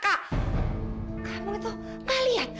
kamu itu lihat